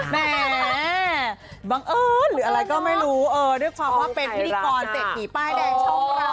แต่เป็นเอ่ออะไรก็ไม่รู้ด้วยความว่าเป็นพิพิกรเสร็จกี่ป้ายแดงช่องเรา